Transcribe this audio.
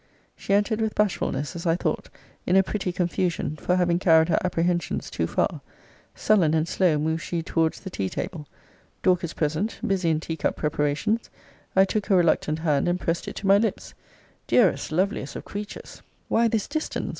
She entered with bashfulness, as I thought; in a pretty confusion, for having carried her apprehensions too far. Sullen and slow moved she towards the tea table. Dorcas present, busy in tea cup preparations. I took her reluctant hand, and pressed it to my lips. Dearest, loveliest of creatures, why this distance?